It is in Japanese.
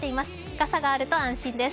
傘があると安心です。